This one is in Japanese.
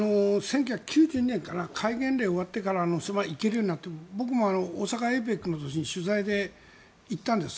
１９９２年かな戒厳令が終わってから島、行けるようになってから僕も大阪ＡＰＥＣの時に取材で行ったんです。